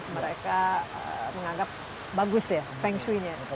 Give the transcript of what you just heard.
mereka menganggap bagus ya feng shui nya